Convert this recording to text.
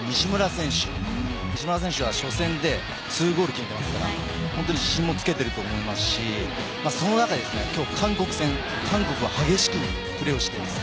西村選手は初戦で２ゴールを決めてますから本当に自信も付いていると思いますしその中で今日、韓国戦韓国は激しくくる。